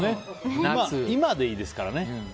今でいいですから。